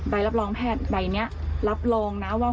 อ๋อใบรับรองแพทย์ใบนี้รับโรงนะ